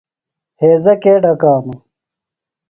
ہیضہ کے ڈھکانوۡ؟